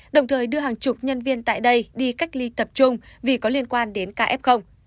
đồng thời đưa hàng chục nhân viên tại đây đi cách ly tập trung vì có liên quan đến ca f